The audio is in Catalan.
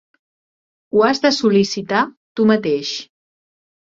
Ho has de sol·licitar tu mateix